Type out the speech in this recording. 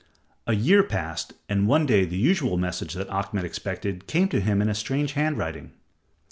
A year passed, and one day the usual message that Ahmed expected came to him in a strange hand writing.